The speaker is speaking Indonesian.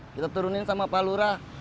kita turunin sama pak lurah